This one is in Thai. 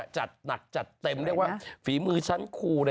จัดหนักจัดเต็มเรียกว่าฝีมือชั้นครูเลย